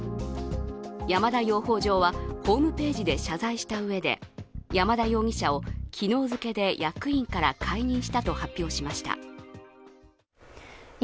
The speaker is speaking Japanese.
山田養蜂場は、ホームページで謝罪したうえで山田容疑者を昨日付けで役員から解任したと発表しました。